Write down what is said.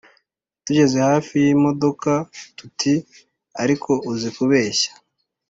Tugeze hafi y' imodoka tuti:" Ariko uzi kubeshya!!!"